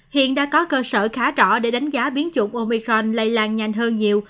hiện đã có cơ sở khá rõ để đánh giá biến chủng omicron lây lan nhanh hơn nhiều